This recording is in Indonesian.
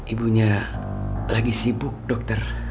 ibunya lagi sibuk dokter